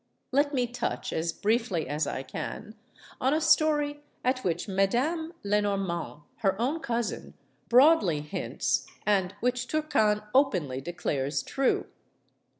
) Let me touch, as brieflly as I can, on a story at which Madame Lenormand, her own cousin, broadly hints and which Turquan openly declares true.